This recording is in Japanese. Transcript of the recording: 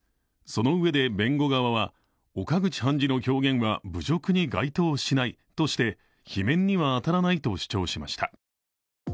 そのうえで弁護側は岡口判事の表現は侮辱に該当しないとして罷免には当たらないと主張しました。